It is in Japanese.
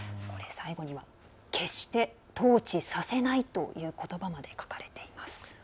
最後には、決して統治させないということばまで書かれています。